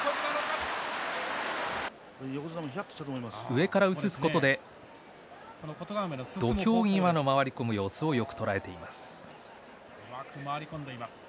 上から映すことで土俵際の回り込む様子をよく捉えています。